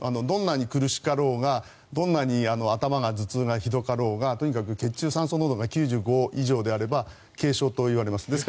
どんなに苦しかろうがどんなに頭が、頭痛がひどかろうがとにかく血中酸素濃度が９５以上であれば軽症といわれます。